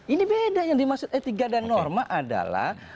ini beda yang dimaksud etika dan norma adalah